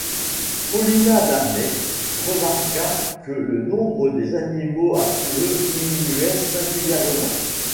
Paulina Barnett remarqua que le nombre des animaux à fourrures diminuait singulièrement.